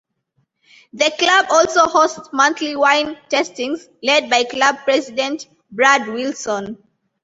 The club also hosts monthly wine tastings led by club President Brad Wilson.